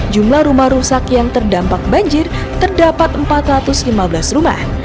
jumlah rumah rusak yang terdampak banjir terdapat empat ratus lima belas rumah